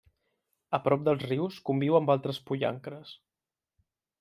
A prop dels rius conviu amb altres pollancres.